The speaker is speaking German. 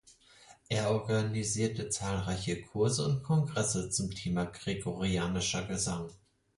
Er organisierte zahlreiche Kurse und Kongresse zum Thema Gregorianischer Gesang.